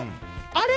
あれ？